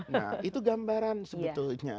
nah itu gambaran sebetulnya